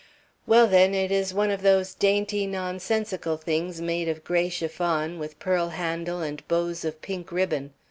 "Well, then, it is one of those dainty, nonsensical things made of gray chiffon, with pearl handle and bows of pink ribbon.